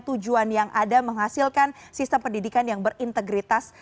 tujuan yang ada menghasilkan sistem pendidikan yang berintegritas